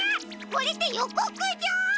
これってよこくじょう！？